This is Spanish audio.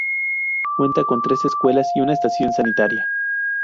Cuenta con tres escuelas y una estación sanitaria.